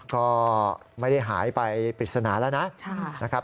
ก็ไม่ได้หายไปปริศนาแล้วนะครับ